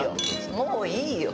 もういいよ。